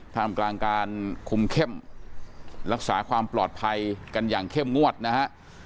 ท่ามกลางการคุมเข้มรักษาความปลอดภัยกันอย่างเข้มงวดนะฮะ